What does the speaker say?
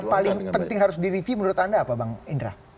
yang paling penting harus direview menurut anda apa bang indra